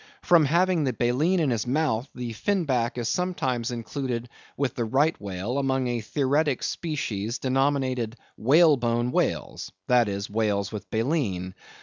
From having the baleen in his mouth, the Fin Back is sometimes included with the right whale, among a theoretic species denominated Whalebone whales, that is, whales with baleen.